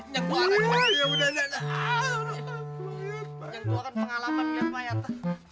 ya udah pengalaman biar mayat